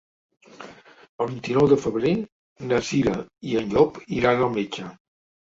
El vint-i-nou de febrer na Cira i en Llop iran al metge.